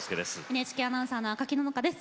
ＮＨＫアナウンサーの赤木野々花です。